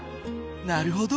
なるほど。